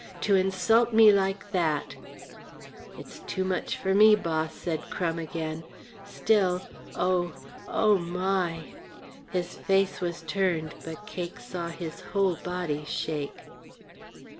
To insult me like that " "It's too much for me, Boss," said Crum again. "Still Oh oh, my!" His back was turned, but Cake saw his whole body shake.